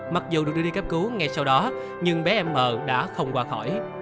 mặc dù được đưa đi cấp cứu ngay sau đó nhưng bé em m đã không qua khỏi